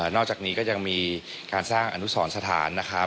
นอกจากนี้ก็ยังมีการสร้างอนุสรสถานนะครับ